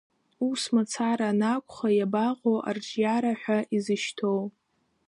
Ус мацара анакәха, иабаҟоу арҿиара ҳәа изышьҭоу?